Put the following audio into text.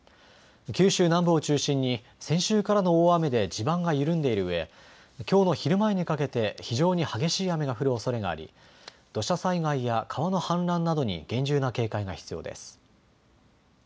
九州南部を中心に先週からの大雨で地盤が緩んでいるうえきょうの昼前にかけて非常に激しい雨が降るおそれがあり土砂災害や川の氾濫などに厳重な警戒が必要です。